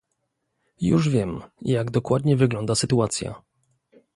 Już wiem, jak dokładnie wygląda sytuacja